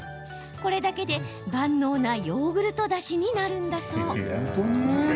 これだけで万能なヨーグルトだしになるんだそう。